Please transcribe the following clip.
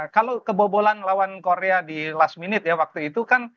kalau kebobolan lawan korea di last minute ya waktu itu kan